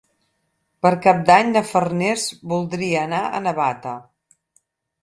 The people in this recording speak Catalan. Per Cap d'Any na Farners voldria anar a Navata.